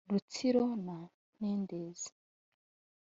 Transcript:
Rutsiro na Ntendezi